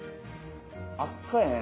あっついね。